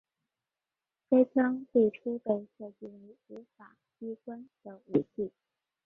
该枪最初被设计为执法机关的武器。